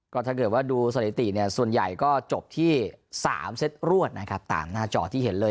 ก็ถ้าเกิดว่าดูสถิติเนี่ยส่วนใหญ่ก็จบที่๓เซตรวดนะครับตามหน้าจอที่เห็นเลย